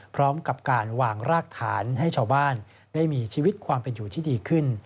พร้อมกับการวางรากฐานให้ชาวบ้านได้มีชีวิตความเป็นอยู่ที่ดีขึ้น